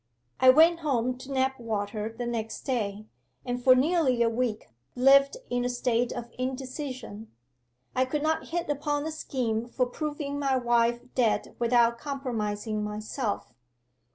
'I went home to Knapwater the next day, and for nearly a week lived in a state of indecision. I could not hit upon a scheme for proving my wife dead without compromising myself.